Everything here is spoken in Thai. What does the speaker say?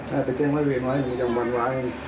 ถ้าไปแจ้งไว้ก็อย่างวางแหง